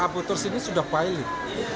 abu tur sini sudah pailit